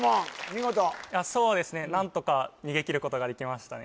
見事そうですね何とか逃げきることができましたね